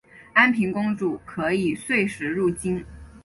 安平公主可以岁时入京。